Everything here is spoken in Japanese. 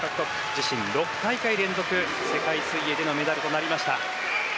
自身６大会連続、世界水泳でのメダルとなりました。